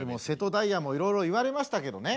瀬戸大也もいろいろ言われましたけどね。